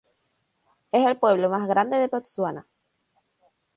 Es el pueblo más grande de Botsuana.